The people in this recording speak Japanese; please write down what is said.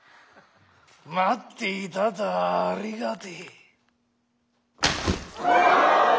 「待っていたとはありがてえ」。